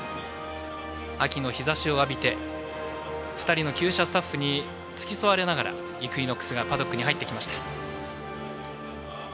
秋の日ざしを浴びて２人のきゅう舎スタッフに付き添われながらイクイノックスがパドックに入ってきました。